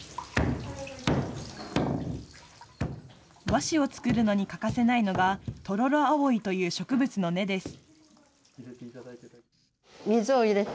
和紙を作るのに欠かせないのが、トロロアオイという植物の根です。